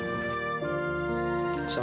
gak papa biar aku